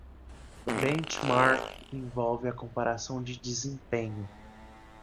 Benchmarking envolve a comparação de desempenho.